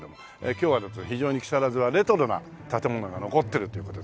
今日は非常に木更津はレトロな建物が残ってるという事で。